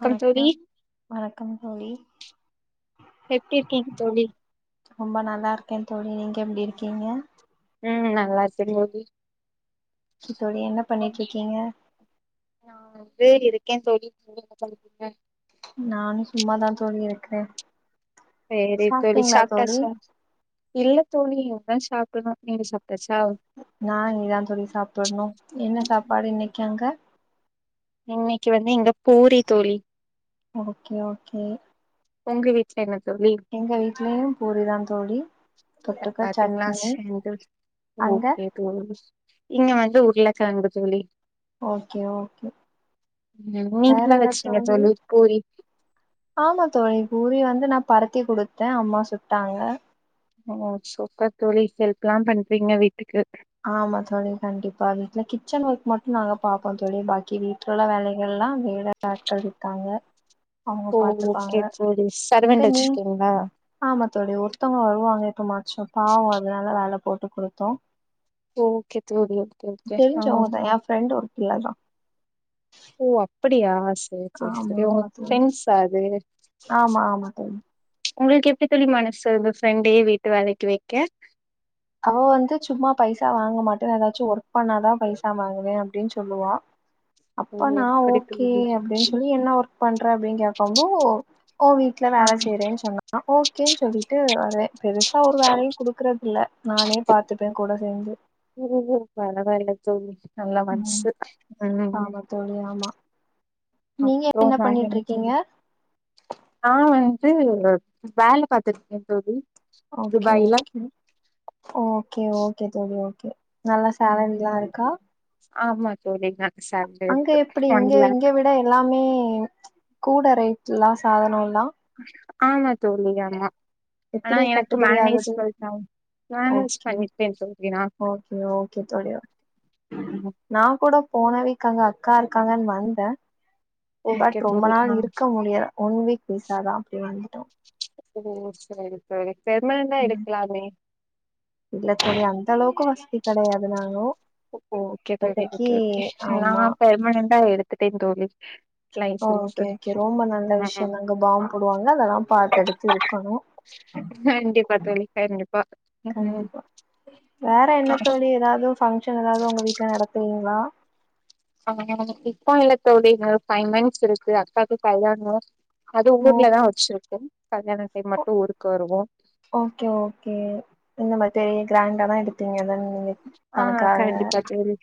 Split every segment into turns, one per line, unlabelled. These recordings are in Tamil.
வணக்கம் வணக்கம் தோழி
எப்டி இருகிங் தோழி
ரொம்ப நல்லா இருக்கே தோழி நீங்க எப்டி இருக்கிங்க
ம் நல்லா செரி
தோழி என்ன பண்ணிட்டு இருக்கிங்க
வேலிருக்கேன் தோழி [unintelligible]
நானும் சும்மா தா தோழி இருக்கேன்
செரி தோழி சாப்பிட்டாச்சா இல்ல தோழி இனி தா சாப்படணும் நீங்க சாப்
நா இனி தா தோழி சாப்பிடணும் என்ன சாப்பாடு இன்னைக்கு அங்க
இன்னைக்கு வந்து இங்க பூரி தோழி
ஓகே ஓகே
உங்க வீட்ல என்னது
எங்க வீட்லயும் பூரி தா தோழி தொட்டுக்க
பாத்தீங்களா
சட்னி
சேம் தா
அங்க
ஓகே தோழி இங்க வந் உருளக்கிழங்கு தோழி
ஓகே ஓகே
ம்
வேற
நீங்களா
என்ன
வச்சீங்க
தோழி
பூரி
ஆமா தோழி பூரி வந்து நா பரத்தி குடுத்தே அம்மா சுட்டாங்க
ஓ சூப்பர் தோழி ஹெல்ப்லா பண்றீங்க வீட்டுக்கு
ஆமா தோழி கண்டிப்பா வீட்ல கிச்சன் ஒர்க் மட்டு நாங்க பாப்போ தோழி பாக்கி வீட்ல உள்ள வேலைகள்லா வே லை ஆட்கள் இருக்காங்க அவுங்க
ஓ
பாத்துப்பாங்க
ஓகே தோழி
அங்க
சர்வெண்ட்
நீ
வச்சிருக்கீங்களா
ஆமா தோழி ஒருத்தங்க வருவாங் க எப்பமாச்சு பாவொ அதுனால வேல போட்டு குடுத்தோ
ஓ ஓகே தோழி ஓகே ஓகே ஆ
புள்ளதா
அப்புடியா சேர் தோழி
ஆமா
செர்
ஆமா
[unintelligible]
தோழி
ஃப்ரெண்ட்ஸா அது
ஆமா ஆமா தோழி
உங்கள்க்கு எப்டி தோழி மனசு வருது ஃப்ரெண்டயே வீட்டு வேலைக்கு வக்க
அவ வந்து சும்மா பைசா வாங்க மாட்டே நா எதாச்சு ஒர்க் பண்ணாதா பைசா வாங்குவே அப்டின் சொல்லுவா
ஓ
அப்ப நா
அப்படி
ஓகே
தோழி
அப்டின் சொல்லி என்ன ஒர்க் பண்ற அப்டின் கேக்கம்போ ஓ வீட்ல
ஆ
வேல செய்றேன் சொன்னா ஓகேன் சொல்லிட்டு வருவே பெருசா ஒரு வேலையு குடுக்குறதில்ல நானே பாத்துப்பே கூட சேந்து
ஓ [unintelligible] தோழி நல்ல
ம்
மன்சு ம்
ஆமா தோழி ஆமா நீங்க
அப்றோ வேற‌
பண்ணிட்டு
என்ன
இருக்கீங்க
தோழி நா வந் து வேல பாத்துருக்கே தோழி
ஓகே
துபாய்ல
ஓகே ஓகே ஓகே தோழி ஓ கே நல்லா
ம்
சேலரிலா இருக்கா?
ஆமா தோழி கன்
அங்க எப்பிடி இங்க இங்க விட எல்லாமே கூட ரேட்லா சாதனோல்
ஹ ஆமா தோழி ஆமா ஆனா
எப்புடி
எனக்கு
கட்டுபடி
மேனேஜ்
ஆகுது
பண் மேனேஜ்
ஓகே
பண்ணிருக்கே தோழி நா
ஓகே ஓகே தோழி நா கூட போனவீக் அங்க அக்கா இருக்காங்கன் வந்த
ஓகே
பட் ரொம்ப
தோழி
நாள்
ஆ
இருக்க முடியல ஒன் வீக் விசாதா அப்டி வந்துட்டோ
ஓ சேரி தோழி பெர்மனன்டா
ம்
எடுக்லாமே
இல்ல தோழி அந்த அளவுக்கு வசதி கெடையாது நாங்கோ
ஓ ஓகே தோழி ஓகே ஓகே நா பெர்மனன்ட்டா எடு த்துட்டே தோழி
ஓ
லைசன்ஸு
ஓகே ஓகே ரொம்ப நல்ல விஷ்யொங்க அங்க பாம் போடுவாங்க அதெல்லா பாத்தெடுத்து இருக்கனு
கண்டிப்பா தோழி கண்டிப்பா ம்
கண்டிப்பா வேற
ஆ
என்னத்தோழி எதாவ்து ஃபங் ஷன் எதாவ்து உங்க வீட்ல நடத்துவீங்ளா?
ஆமா இப்ப இல்ல தோழி இன்னு ஒரு ஃபை மந்த்ஸ் இருக்கு அக்காக்கு கல்யாணோ அது
ஓ
ஊர்லதா வச்சுருக்கோ கல்யாண டைம் மட்டு ஊருக்கு வருவோ
ஓகே ஓகே இந்த மாதிரி கிராண்டா தா எடுப்பீங்க தான நீங்க
ஆ
பணக்காரங்க
கண்டிப்பா தோழி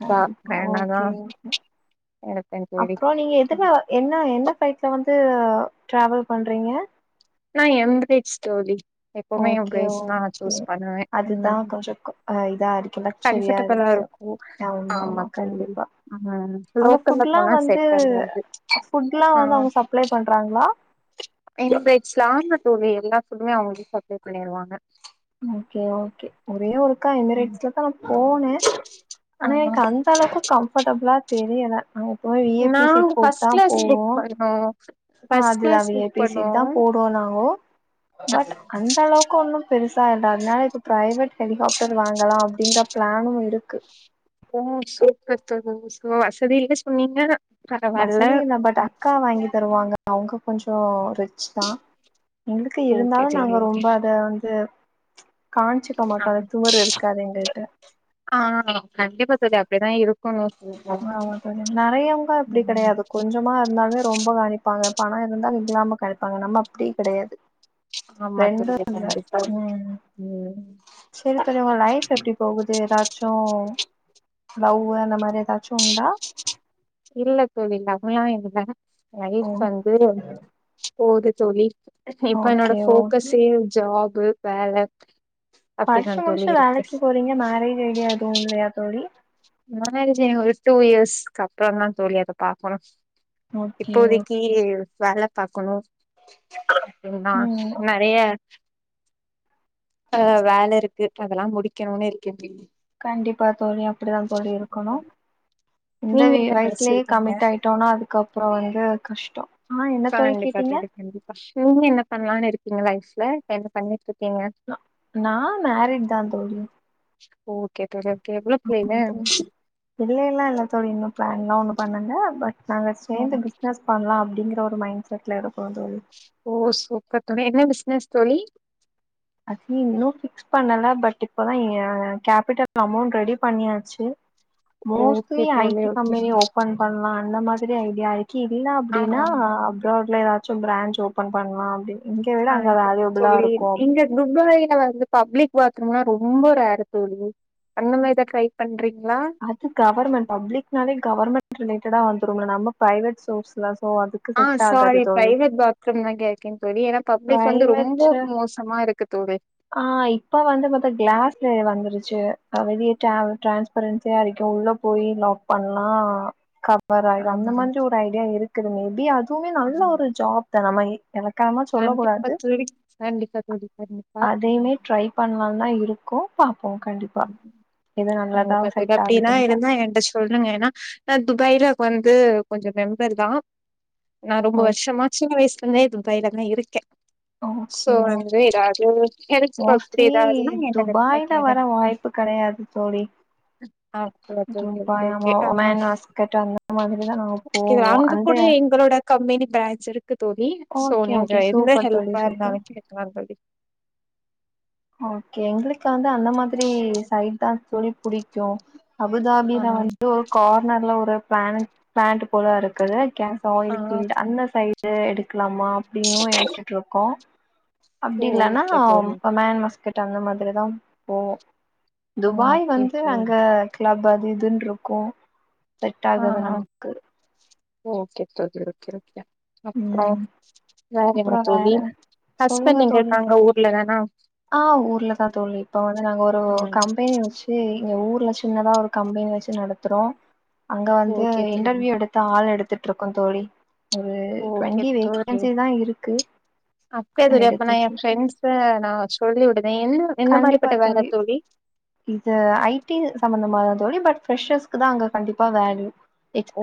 கண்டிப்பா
வேண்டாதா
ஓகே ஓகே
எடுப்பே தோழி
அப்றோ நீங்க எதுல என்ன என்ன ஃப்ளைட்ல வந் ட்டு ட்ராவல் பண்றீங்க
நா எம் பிரிச் தோழி எப்பவுமே
ஓகே
எம்பிரேட்ஸ் தா
ஓகே
சூஸ் பண்ணுவே
அதுதா கொஞ்சொ க‌ ஐ தா இரு
கம்ஃபடபுளா இருக்கு ஆமா தோழி ம்
அங்க
லோக்கல்ல
ஃபுட்லா
போனா
வந்து
செட்டாகாது
ஃபுட்லா
ஆ
வந்து அவங்க சப்ளை பண்றாங்களா
[unintelligible] தோழி எல்லா ஃபுட்டுமே அவுங்ளே சப்ளே பண்ணிருவாங்க
ஓகே ஓகே ஒ ரே ஒருக்கா
ம்
எமிரேட்ஸ்ல தா போனே ஆனா
ஆமா
எனக்கு அந்தளக்கு கம்ஃபர்டபுளா தெரியல அ
நாங்க ஃபஸ்ட் கிளாஸ் புக் பண்ணோ
ஆ
ஃபர்ஸ்ட்
அதுதா
class
V I
book
P
பண்ணோ
சீட் தா போடுவோ நாங்கோ பட் அந்தளவுக்கு ஒன்னும் பெருசா இல்ல அதுனால இப்ப பிரைவேட் ஹெலிகாப்டர் வாங்கலா அப்டிங்ற பிளானு இருக்கு
ஓ சூப்பர் தோழி சோ வசதி இல்ல சொன்னீங்க பரவால்ல
வசதி இல்ல பட் அக்கா வாங்கி தருவாங்க அவுங்க கொஞ்சோ ரி ச் தா எங்ளுக்கு
ஓகே
இருந்தாலு
தோழி
நாங்க
ஓகே
ரொம்ப அத வந்து காமிச்சுக்க மாட்டோ அந்த திமிரு இருக்காது எங்கள்ட்ட
ஆ கண்டிப்பா தோழி அப்பிடிதா இரு கொல்லு
ஆமா தோழி நெறையவங்க அப்பிடி
ம்
கெடையாது கொஞ்சமா இருந்தாலே ரொம்ப காவணிப்பாங்க பணோ இருந்தா இல்லாம கலிப்பாங்க நம்ம அப்பிடி கெடையாது
ஆமா
ரெண்டு
தோழி கண்டிப்பா ம்
சசேரி தோழி உங்க லைஃப் எப்பிடி போகுது ஏதாச்சு லவ் அந்த மாரி ஏதாச்சு உண்டா
இல்ல தோழி லவ்லா இல்ல லைஃப்
ஓ
வந்து போது தோழி இப்ப என்னோட
ஓகே ஓகே
போக்கஸே ஜாப் ப்பு வேல அப்டிதா
படிச்சி
தோழி
முடிச்சி
இருக்கு
வேலைக்கு போறீங்க மேரேஜ் ஐடியா எதுவு இல்லயா தோழி
மேரேஜ் இன்னு ஒரு டூ இயர்ஸ்க் அப்புறோதா தோழி அத பாக்கணு
ஓகே
இப்போதிக்கு
ஓகே
வேல பாக்கணு ம் நா நெறைய ஆ வேல இருக்கு அதெல்லா முடிக்கணுன் இருக்கே தோழி
கண்டிப்பா தோழி அப்பிடித்தா தோழி இருக்கணு இந்த
நீங்க
வி
என்ன
வயசுலயே
நெனச்சிருக்கீங்க
கமிட் ஆயிட்டோனா அதுக்கப்புறோ வந்து கஷ்டோ ஆ என்ன தோழி
கண்டிப்பா
கேட்டீங்க
தோழி கண்டிப்பா நீ என்ன பண்ணலான் இருக் ங்க லைஃப்ல இப்ப என்ன பண்ணிட்
நா மேரிடுதா தோழி
ஓகே தோழி கே எவ்ளோ பிள்ளைல
பிள்ளைலா இல்ல தோழி இன்னு பிளான்லா ஒன்னு பண்ணல பட் நாங்க சேந்து பிசினஸ் பண்ணலா அப்பிடிங்க த ஒரு மைண்ட் செட்ல இருக்
ஓ சூப் பர் தோழி என்ன பிசினஸ் தோழி
அது இன்னு பிக்ஸ் பண்ணல பட் இப்பதா ஏ கேபிடல் அமௌண்ட் ரெடி பண்ணியாச்சி
ஓகே
மோஸ்ட்லி
தோழி
ஐட்டி
ஓகே
கம்பெனி ஓபன் பண்ணலா அந்த மாதிரி ஐடியா ஆய் கி இல்ல
ஆமா
அப்புடின்னா அப்ராட் ட்ல எதாச்சும் பிரேன்ச் ஓப்பன் பண்லா அப்டின்னு இங்க விட அங்கதா அதிவபல்லா இருக்கு அப்டின்
உககைல வந்து பப்ளிக் பாத்ரூம்மா ரொம்ப ரேரு தோழி அந்த மாரிதா ட்ரை பண்றீ
அது கவர்மெண்ட் பப்ளிக்னாவே கவர்மெண்ட் ரிலேட் டடா வந்துரும்ல நம்ம பிரைவேட் சோர்ஸ்லஸ் போவோ அதுக்கு
ஆ
செட் ஆகாது
சாரி
தோழி
பிரைவேட் பாத்ரூம் தா கேக்கே தோழி ஏன்னா
ஆ
பப்ளிக் வந்து ரொம்ப
இவச்ச
மோசமா இருக்கு தோழி
ஆ இப்ப வந்து பாத்தா கிளாஸ்ல வந்துருச்சு அவதியே டிரேவல் டிரான்ஸ் பரன்சியா இருக்கு உள்ள போயி லாக் பண்லா கப் பறாயிரு அந்த
ஆமா
மாதிரி ஒரு ஐடியா இருக்குது மேபி அதுவுமே நல்ல
ஆமா
ஒரு ஜாப்தா நம்ம இ எளக்காரமா சொல்ல
கண்டிப்பா
கூடாது
தோழி கண்டிப்பா தோழி கண்டிப்பா
அதையுமே ட்ரை பண்லான்தா இரு கோ பா போவோ கண்டிப்பா எது நல்லா
ஓ பத்துல அப்டின்னா இருந்தா என்ட சொல்லுங்க ஏனா நா துபாய்ல வந்து கொஞ்சோ மெம்பர்தா நா ரொம்ப
பாப்போ
வருஷமா சின்ன வயிஸ் வந்தே துபாயிலதா இருக்க சோ
ஓகே
வந்து எதாவது [unintelligible]
மோஸ்ட்லி
எதாவதுன்னா என்ட கண்டிப்பா கேளுங்க
கப்பு கெடையாது தோழி
ஆ ஓகே தோழி ஓகே ஓகே
துபாயாமா
ஆ
ஒமேன் வாஸ்கட் அந்த மாதிரிதா நாங்க போவோ அந்த
மினி பேச் இருக் க்கு தோழி சோ
ஓகே
நீங்க
ஓகே
எந்த
சூப்பர் தோழி
ஹெல்ப்பா
சூப்பர்
இருந்தாலுமே கேக்கலாந் தோழி
ஓகே எங்களுக்கு வந்து அந்த மாதிரி சைட்தா தோழி புடிக்கு
ஆ
அபுதாபில வந்து ஒரு கார்னர்ல ஒரு பேனு பேண்ட்டு போல இருக்குது கேஸ்
ஆ
ஆயில் ஃபீல்டு அந்த சைடு எடுக்கலாமா அப்டின்னு யோசுச்சுட்டு இருக்கோ அப்டி இல்லன்னா
ஓகே
அம்
தோழி
அ மேனு பாஸ்கட் அந்த மாதிரிதாம் போவோ
ஆ
துபாய்
ஓகே
வந்து
ஓகே
அங்க கிளப் அத் இதுன் இருக்கு செட்
ஆ
ஆகுது
ஆ
நமக்கு
ஓகே தோழி ஓகே ஓகே அப்புறோ
ம்
வேற என்ன
அப்றோ
தோழி
வேற சொல்லுங்க
ஹஸ்பண்ட் எங்க
தோழி
இருக்காங்க ஊர்ல தானா
ஆ ஊர்லதா தோழி இப்ப வந்து நாங்க ஒரு
ம்
கம்பெனி வெச்சு எங்க ஊர்ல சின்னதா ஒரு கம்பெனி வெச்சு நடத்துறோ அங்க வந்து
ஓகே தோழி
இன்டர்வியூ எடுத்து ஆள் எடுத் த்துட்டு இருக்கு தோழி ஒரு டுவெண்ட்டி
ஓகேத் தோழி
வேகன்சி தா இருக்கு
அப்பே எது ரியேக்ட் பண்ணா நா எ
எடுத்துட்ருக்கே
ஃபிரண்ட்ஸ்ஸு நா வெச் தோழியோட
கண்டிப்பா தோழி இது ஐடி சம்மந்தம் மாதா தோழி பட் பிரெஸ்சர்ஸ்க்கு தா அங்க கண்டிப்பா வேல்யூ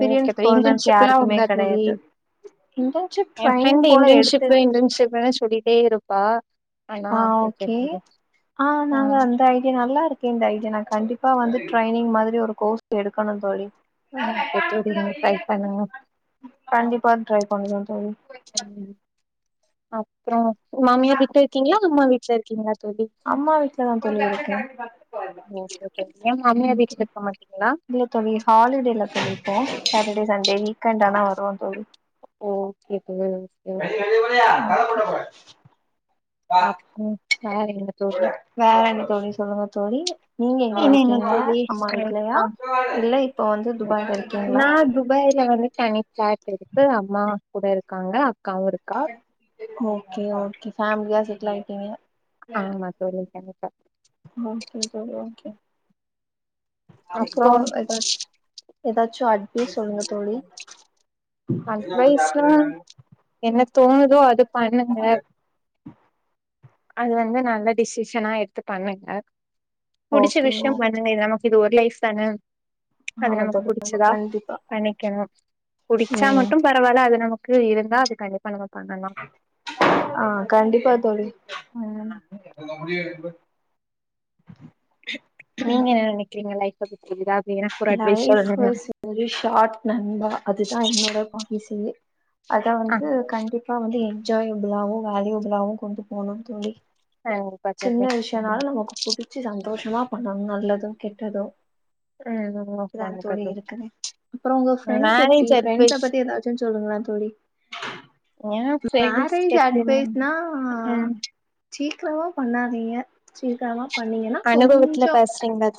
ஓகே தோழி
பர்சனுக்கு
இன்டன்ஷிப் எல்லா
யாருக்குமே
உண்டா தோழி
கெடையாது இன்டர்ன்ஷிப்
எ
ட்ரைனிங்
ஃப்ரெண்டு
போல எடுத்து
இன்டன்ஷிப்ல இன்டன்ஷிப்லனு சொல்லிட்டே இருப் பா
ஆ ஓகே ஆ நாங்க அந்த ஐடியா நல்லா இருக்கே இந்த ஐ டியா நா கண்டிப்பா வந்து டிரைனிங் மாதிரி ஒரு கோர்ஸ் எடுக்கணுந் தோழி
ஆ ஓகே தோழி ட்ரை பண்ணுங்க
கண்டிப்பா ட்ரை பண்ற தோழி
சேரி அப்புறோ மாமியார் வீட்ல இருக்கீங்களா அம்மா வீட் வீட்ல இருகீங்களா
அம்மா வீட்லதாந் தோழி இருக்க ம்
ஓகே ஓகே ஏ மாமியார்
ஓகே
வீட்ல
தோழி
இருக்க மாட்டீங்களா
இல்ல தோழி ஹாலிடேல இருக்க இப்போ சாட்டடே சண்டே வீக்ண்டானா வருவோந் தோழி
ஓகே ம் சேரி சேரி
போ
அப் ம் வேறைங்க தோழி
வேற என்ன தோழி சொல்லுங்க தோழி நீங்க எங்க
இன்னு என்ன
இருக்கீங்க
தோழி
அம்மா வீட்லயா
ஆ
இல்ல இப்ப வந்து துபாய்ல இருக்கீங்களா
சாய்ட இருக்கு அம்மா கூட இருக்காங்க அக்காவு இருக்கா
ஓகே ஓகே ஃபேமிலியா செ ட்டல் ஆயிட்டீங்க
ஆமா தோழி எனக்க
ஓகே தோழி ஓகே அப்புறோ
அப்றோ
எதாச் எதாச்சு அட் எ சொல்லுங்க தோழி
அட்வயசுலா என்ன தோணுதோ அது பண்ணுங்க அது வந்து நல்ல டிசிஷனா எடுத்து பண்ணுங்க புடிச்ச
ஓகே ஓ
விஷ்யம் பண்ணங்க இது நமக் இது ஒரு லைஃப்தான அது
ஆ
நமக்கு
தோழி ஆமா
புடிச்சதா
கண்டிப்பா
பண்ணிக்கனு புடி ச்சா
ம்
மட்டு பரவாயில்ல அது நமக் க்கு இருந்தா அது கண்டிப்பா நமக்
ஆ கண்டிப்பா தோழி
ம் நீங்க என்ன நெனைக்கிறீங்க life [unintelligible]
life is very short நண்பா அதுதா என்னோட பாய் ஈஸியே அதா
ஆ
வந்து கண்டிப்பா வந்து எ ஜாய்புலாவு வேலியுபுலாவு கொண்டு போகணுன் தோழி
கண்டிப்பா தோழி
சின்ன விஷ்யனாலு நமக்கு புடி ச்சி சந்தோஷமா பண்ணனு நல்லது கெட்டது
ம்
த்ரா
கண்டிப்பா
தோழி இருக்குது அப்புறோ உங்க ஃப்ரண்ஸ் எப்பிடி
மேரேஜ்
ஃப்ரண்ஸ
அட்வைஸ்
பத்தி ஏதாச்சு சொல்லுங்கள தோழி
ஏ ஃப்ரெண்ட்ஸ்
மேரேஜ்
கிட்ட
அட்வைஸ்னா
ம்
சீக்கிரமா பண்ணாதீங்க சீக்கிரமா பண்ணீங்கன்னா
அனுபவத்துல
கொஞ்சோ
பேசறீங்கலா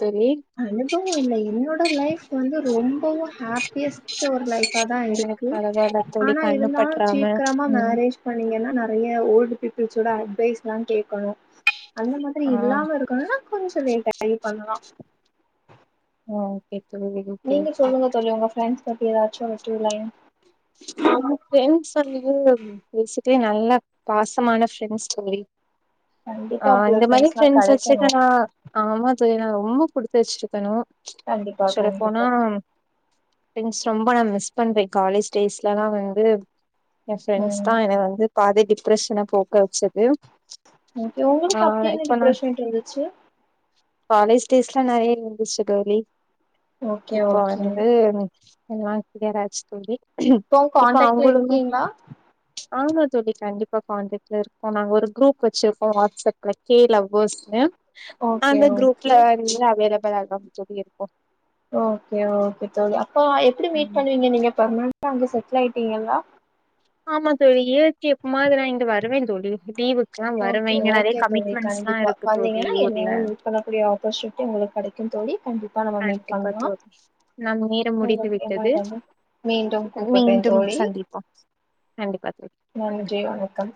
அனுபவோ இல்ல என்னோ லைஃப் வந்து ரொம்பவு ஹாப்பியஸ் ட்டு லைஃபாதா
உங்களுக்கு
இருக்கு
பரவால்ல தோழி
ஆனா
கண்ணு
இருந்தாலு
பற்றாம
சீக்கிரமா
ம்
மேரேஜ் பண்ணீங்கன்னா ந நறையா ஓல்டு பீப்புள்ஸோட அட்வைஸ்லா கேக்கணு அந்த மாதிரி
ஆ
இல்லாம இருக்கனுனா கொஞ்சோ லேட் ஆய் ட்ரை பண்ணலா
ம்
நீங்க சொல்லுங்க தோழி உங்க ஃப்ரெண்ட்ஸ் பத்தி எதாச்சு ஒரு டூ லைன்
[unintelligible] சொல்லுது பேசிக்கலி நல்லா பாசமான ஃப்ரெண்ட்ஸ் தோழி
கண்டிப்பா
ஆ
அப்டி ஒரு
இந்த மாரி
ஃப்ரெண்ட்ஸ்லா
ஃப்ரெண்ட்ஸ்சஸ்
கெடைக்கணு
வெச்சுக்கனா ஆமா தோழி நா ரொ ரொம்போ குடுத்து வெச்சுருக்கணு
கண்டிப்பா
சேரி போனா
கண்டிப்பா
ஃப்ரெண்ட்ஸ் ரொம்ப நா மிஸ் பண்றே காலேஜ் ஸ்டேஸ்லல்லா வந்து எ ஃப்ரெண்ட்ஸ்தா
ம்
எனக்கு வந்து பாதேடிப் பிரஷன போக்க வெச்சது
ஓகே உங்களுக்கு அப்டி என்ன டிப்ரெஷன்ட்டு இருந்துச்சு
காலேஜ் டேஸ்ல நறையா இருந்துருச்சு தோழி
ஓகே
இப்போ
ஓகே
வந்து ம் என் வாங்கெராச்சு தோழி
இப்பவு
இப்ப
கான்டேக்ட்ல
அவங்களு
இருக்கீங்களா
ஆமா தோழி கண்டிப்பா கான்டேக்ட்ல இருக்கோ நாங்க ஒரு குரூப் வெச்சுருக்கோ வாட்ஸ் அப்ல கே லவ்வோஸ்ன்னு
ஓகே
அந்த குரூப்ல
ஓகே
வந்து அவைலப் லதா இருக்குறம் தோழி இருக்கோ
இப்போ எப்புடி மீட்
ம்
பண்ணுவீங்க நீங்க பர்மனென்டா அங்கேயே செட் செட்லாயிடீங்களா
ஆமா தோழி ஏச்சி எப்ப மாதர இங்க வருவே தோழி லீவு
ஓகே ஓகே தோழி கண்டிப்பா
இருக்கு தோழி
வந்தீங்கன்னா
ஊர்ல
என்னயு மீட் பண்ணக்கூடிய ஆப்பர்சூனிட்டி உங்களுக் கெடைக்கும் தோழி கண்டிப்பா நம்ம மீட்
கண்டிப்பா
பண்லா
தோழி நம்ம நேரம் முடிந்து
உங்களுக்கு
விட்டது
என்னோட மீண்டும் கூப்பிடுறே
மீண்டும்
தோழி
சந்திப்போ கண்டிப்பா தோழி ம்
நன்றி வணக்கம்